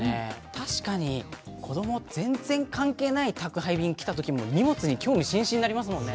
確かに子ども全然関係ない宅配便来たときも荷物に興味津々になりますもんね。